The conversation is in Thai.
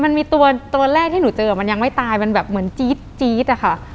มันมีตัวแรกที่หนูเจอมันยังไม่ตายมันแบบเหมือนจี๊ดอะค่ะ